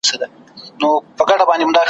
له حاصله یې د سونډو تار جوړیږي ,